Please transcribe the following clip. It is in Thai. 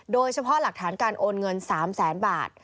โดยเฉพาะหลักฐานการโอนเงิน๓แสนบาท